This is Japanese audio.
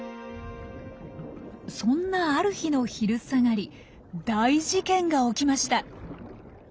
そんなある日の昼下がり大事件が起きました。